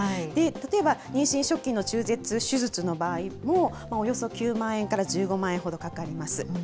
例えば妊娠初期の中絶手術の場合も、およそ９万円から１５万円ほどかかります。